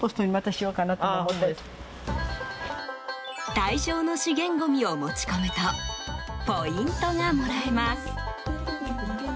対象の資源ごみを持ち込むとポイントがもらえます。